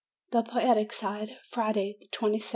THE POETIC SIDE Friday, 26th.